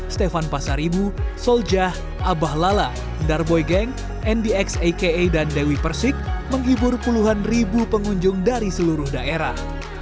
stefan pasaribu soljah abah lala darboy geng ndx aka dan dewi persik menghibur puluhan ribu pengunjung dari seluruh daerah